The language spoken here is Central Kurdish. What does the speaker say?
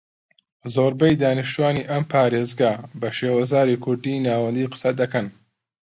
زۆربەی دانیشتوانی ئەم پارێزگا بە شێوەزاری کوردیی ناوەندی قسە دەکەن